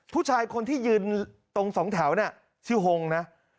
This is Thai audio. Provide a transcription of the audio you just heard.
ผู้ชายคนที่ยืนตรงสองแถวเนี่ยชื่อฮงนะ